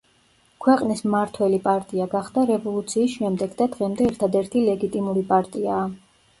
ქვეყნის მმართველი პარტია გახდა რევოლუციის შემდეგ და დღემდე ერთადერთი ლეგიტიმური პარტიაა.